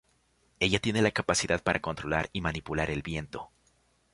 Ella tiene la capacidad para controlar y manipular el viento.